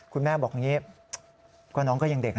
คุณแม่บอกอย่างนี้เพราะว่าน้องก็ยังเด็กน่ะ